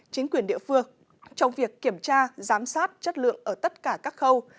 chính quyền địa phương trong việc kiểm tra giám sát chất lượng ở tất cả các khâu